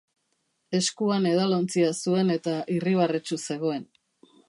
Eskuan edalontzia zuen eta irribarretsu zegoen.